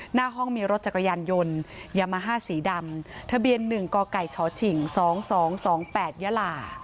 หน้าห้องมีรถจักรยานยนต์ยามาฮ่าสีดำทะเบียน๑กไก่ชฉิง๒๒๒๘ยาลา